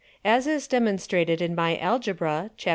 As is demonstrated in my Algebra, _Chap.